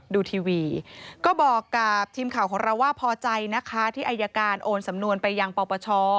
ดูทีวีก็บอกกับทีมข่าวของเราว่าพอใจนะคะที่อายการโอนสำนวนไปยังปปช